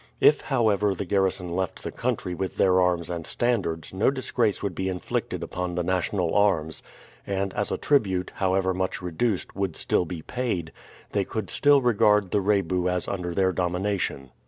If, however, the garrison left the country with their arms and standards no disgrace would be inflicted upon the national arms, and as a tribute, however much reduced, would still be paid, they could still regard the Rebu as under their domination.